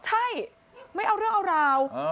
ใช่ไม่เอาเรื่องเอาราว